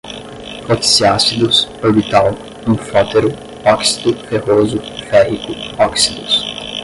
oxiácidos, orbital, anfótero, óxido, ferroso, férrico, óxidos